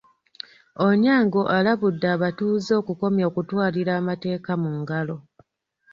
Onyango alabudde abatuuze okukomya okutwalira amateeka mu ngalo.